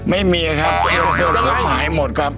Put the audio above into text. ไม่มีอะครับเพื่อนฝูงก็หายหมดครับ